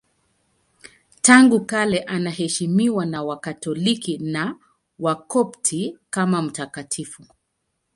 Tangu kale anaheshimiwa na Wakatoliki na Wakopti kama mtakatifu.